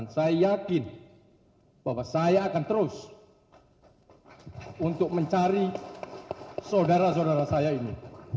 saudara saudara saya ini